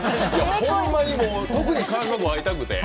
ほんまに特に川島君に会いたくて。